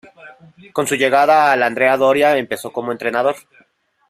Con su llegada al Andrea Doria empezó como entrenador.